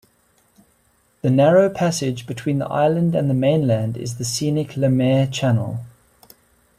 The narrow passage between the island and the mainland is the scenic Lemaire Channel.